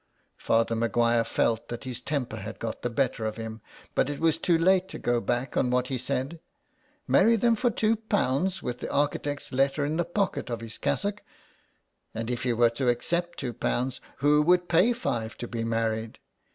Father Maguire felt that his temper had got the better of him, but it was too late to go back on what he said. Marry them for two pounds with the architect's letter in the pocket of his cassock ! And if he were to accept two pounds, who would pay five to be married